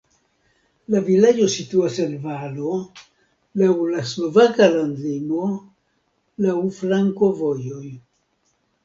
La vilaĝo situas en valo, laŭ la slovaka landlimo, laŭ flankovojoj.